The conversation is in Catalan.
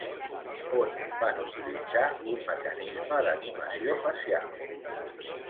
On van utilitzar un mecanisme d'animació facial?